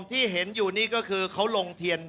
ที่เห็นอยู่นี่ก็คือเขาลงเทียน